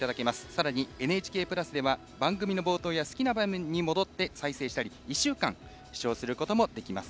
さらに「ＮＨＫプラス」では番組の冒頭や好きな場面に戻って再生したり１週間視聴することもできます。